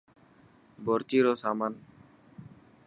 بورچي رو سامان.